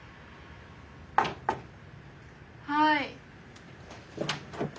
はい。